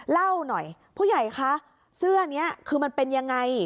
เล่าหน่อยผู้ใหญ่คะเสื้อนี้คือมันเป็นยังไง